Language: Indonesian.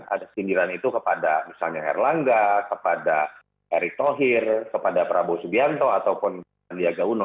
ada sindiran itu kepada misalnya erlangga kepada erick thohir kepada prabowo subianto ataupun sandiaga uno